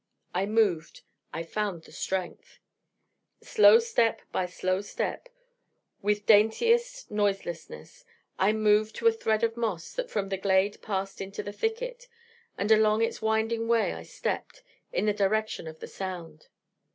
I moved: I found the strength. Slow step by slow step, with daintiest noiselessness, I moved to a thread of moss that from the glade passed into the thicket, and along its winding way I stepped, in the direction of the sound.